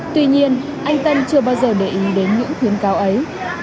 tuy nhiên anh tân chưa bao giờ để ý đến những khuyến cáo ấy